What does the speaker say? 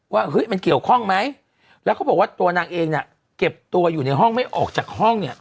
ว่าเฮ้ยมันเกี่ยวข้องไหมแล้วเขาบอกว่าตัวนางเองเนี่ยเก็บตัวอยู่ในห้องไม่ออกจากห้องเนี่ย